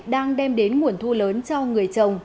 đang đem đến nguồn thu lớn cho người chồng